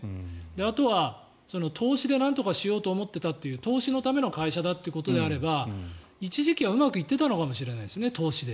あとは投資でなんとかしようと思っていたという投資のための会社だということであれば一時期は投資でうまくいっていたのかもしれないですね。